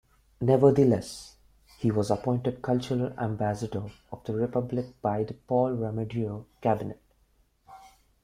Nevertheless, he was appointed cultural ambassador of the Republic by the Paul Ramadier cabinet.